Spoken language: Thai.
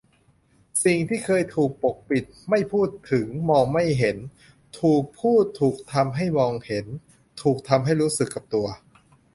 สิ่งที่เคยถูกกดปกปิดไม่พูดถึงมองไม่เห็น ถูกพูดถูกทำให้มองเห็น ถูกทำให้รู้สึกกับตัว